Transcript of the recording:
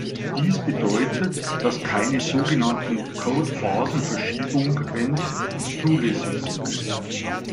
Dies bedeutet, dass keine sogenannten "Codephasenverschiebung"en zulässig sind.